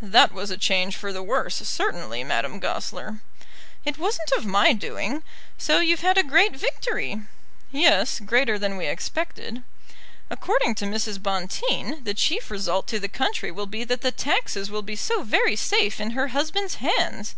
"That was a change for the worse, certainly, Madame Goesler." "It wasn't of my doing. So you've had a great victory." "Yes; greater than we expected." "According to Mrs. Bonteen, the chief result to the country will be that the taxes will be so very safe in her husband's hands!